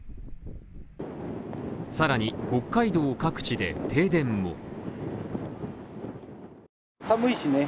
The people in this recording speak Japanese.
さらに、北海道各地で停電も。